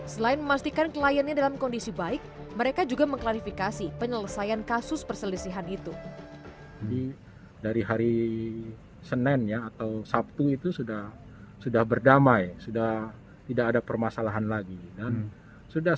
selain memastikan kliennya dalam kondisi baik mereka juga mengklarifikasi penyelesaian kasus perselisihan itu